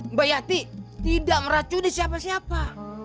mbak yati tidak meracuni siapa siapa